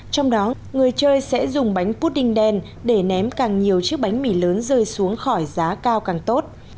trong đó người chơi sẽ dùng bánh pot đinh đen để ném càng nhiều chiếc bánh mì lớn rơi xuống khỏi giá cao càng tốt